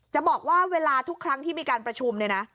จะบอกว่าเวลาทุกครั้งที่มีการประชุมเนี่ยนะ